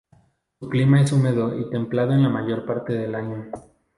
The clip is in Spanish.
Su clima es húmedo y templado en la mayor parte del año.